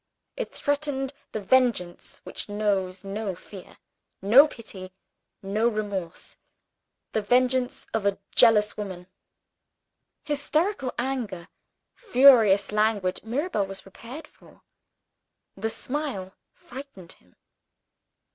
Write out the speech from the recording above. It threatened the vengeance which knows no fear, no pity, no remorse the vengeance of a jealous woman. Hysterical anger, furious language, Mirabel was prepared for. The smile frightened him.